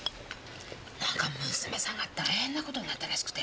何か娘さんが大変なことになったらしくて。